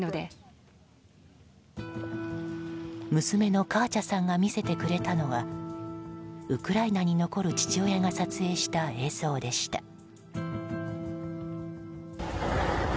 娘のカーチャさんが見せてくれたのはウクライナに残る父親が撮影した映像でした。